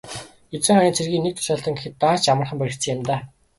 Эзэн хааны цэргийн нэг тушаалтан гэхэд даанч амархан баригдсан юм даа.